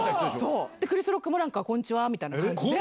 クリス・ロックもなんか、こんちはみたいな感じで。